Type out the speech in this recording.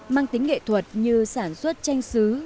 mang tính nghệ thuật như sản xuất chanh xứ